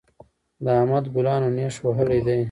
د احمد ګلانو نېښ وهلی دی.